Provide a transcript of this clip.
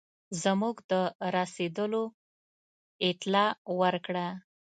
زموږ د رسېدلو اطلاع ورکړه.